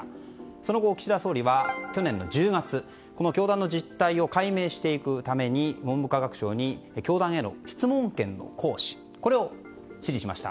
その後、岸田総理は去年１０月教団の実態を解明していくために文部科学省に教団への質問権の行使これを指示しました。